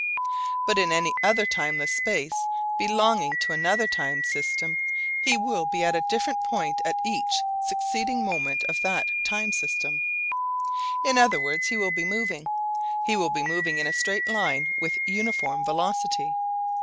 But in any other timeless space belonging to another time system he will be at a different point at each succeeding moment of that time system. In other words he will be moving. He will be moving in a straight line with uniform velocity.